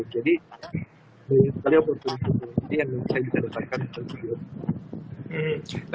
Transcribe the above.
jadi ini sekali oportunitas yang bisa kita datangkan untuk video ini